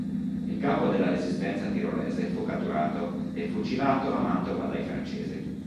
Il capo della resistenza tirolese fu catturato e fucilato a Mantova dai francesi.